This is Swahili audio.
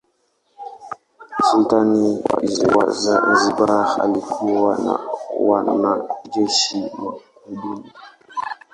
Sultani wa Zanzibar alikuwa na wanajeshi wa kudumu.